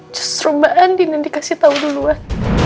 justru mbak andin yang dikasih tau duluan